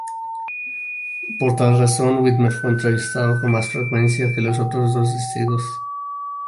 Por tal razón, Whitmer fue entrevistado con más frecuencia que los otros dos testigos.